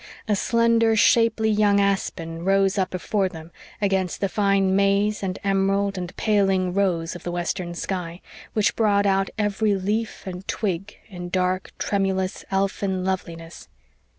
A slender shapely young aspen rose up before them against the fine maize and emerald and paling rose of the western sky, which brought out every leaf and twig in dark, tremulous, elfin loveliness.